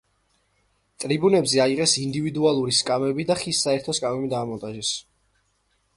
ტრიბუნებზე აიღეს ინდივიდუალური სკამები და ხის საერთო სკამები დაამონტაჟეს.